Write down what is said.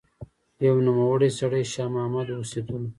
يو نوموړی سړی شاه محمد اوسېدلو